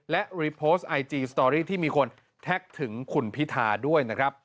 และรีโพสต์ไอจีสตอรี่ที่มีคนแท็กถึงคุณพิธาด้วยนะครับ